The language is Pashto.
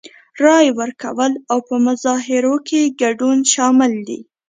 رای ورکول او په مظاهرو کې ګډون شامل دي.